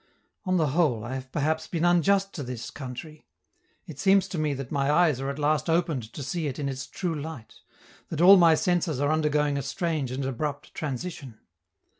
On the whole, I have perhaps been unjust to this country; it seems to me that my eyes are at last opened to see it in its true light, that all my senses are undergoing a strange and abrupt transition.